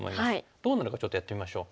どうなるかちょっとやってみましょう。